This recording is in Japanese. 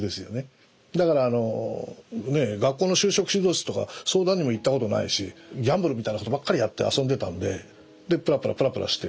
だからあの学校の就職指導室とか相談にも行ったことないしギャンブルみたいなことばっかりやって遊んでたんででプラプラプラプラしてて。